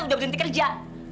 sudah berhenti kerja